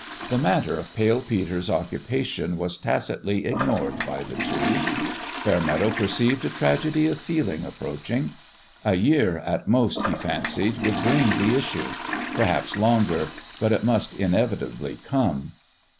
The matter of Pale Peter's occupation was tacitly ignored by the two. Fairmeadow perceived a tragedy of feeling approaching. A year, at most, he fancied, would bring the issue. Perhaps longer ; but it must inevitably come.